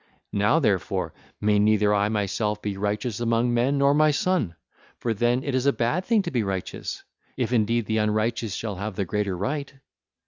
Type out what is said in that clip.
Now, therefore, may neither I myself be righteous among men, nor my son—for then it is a bad thing to be righteous—if indeed the unrighteous shall have the greater right.